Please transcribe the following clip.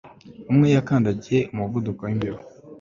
Umwe yakandagiye umuvuduko wimbeba